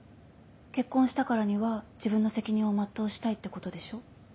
結婚したからには自分の責任を全うしたいってことでしょ？